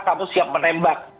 kamu siap menembak